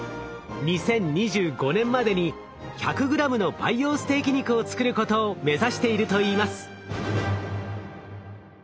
２０２５年までに１００ｇの培養ステーキ肉を作ることを目指しているといいます。